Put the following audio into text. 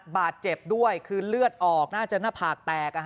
บาดเจ็บด้วยคือเลือดออกน่าจะหน้าผากแตก